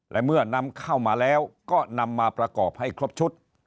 และเมื่อนำเข้ามาแล้วก็นำมาประกอบให้ครบชุด